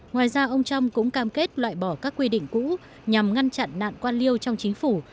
ngoài ra ông trump cũng cam kết loại bỏ các quy định cũ nhằm ngăn chặn nạn quan liêu trong chính phủ